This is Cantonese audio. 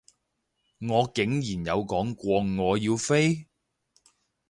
我竟然有講過我要飛？